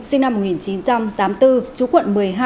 sinh năm một nghìn chín trăm tám mươi bốn chú quận một mươi hai